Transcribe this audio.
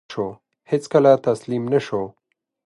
هیڅکله تسلیم نه شو.